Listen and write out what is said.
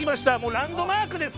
ランドマークですね。